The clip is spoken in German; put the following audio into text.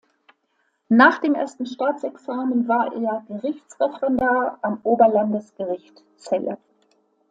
Nach dem Ersten Staatsexamen war er Gerichtsreferendar am Oberlandesgericht Celle.